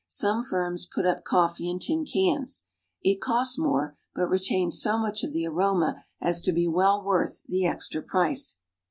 Some firms put up coffee in tin cans. It costs more, but retains so much of the aroma as to be well worth the extra price.